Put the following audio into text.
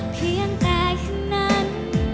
เพียงแต่ฉันนั้น